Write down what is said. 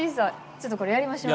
ちょっとこれやりましょう。